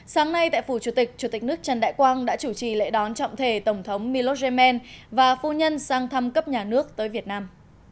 sáng nay tại phủ chủ tịch chủ tịch nước trần đại quang đã chủ trì lễ đón trọng thể tổng thống millos yemen và phu nhân sang thăm cấp nhà nước tới việt nam